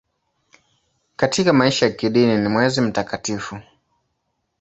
Katika maisha ya kidini ni mwezi mtakatifu.